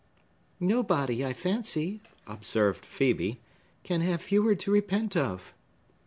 "Nobody, I fancy," observed Phœbe, "can have fewer to repent of."